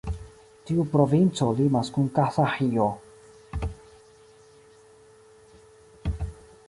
Tiu provinco limas kun Kazaĥio.